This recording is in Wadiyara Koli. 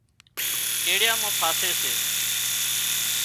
ڪڙيا مان ڦاسي سي